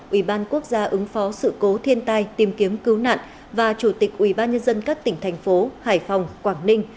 ủy ban quốc gia ứng phó sự cố thiên tai tìm kiếm cứu nạn và chủ tịch ủy ban nhân dân các tỉnh thành phố hải phòng quảng ninh